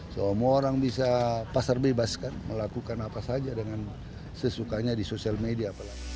semua orang bisa pasar bebas kan melakukan apa saja dengan sesukanya di sosial media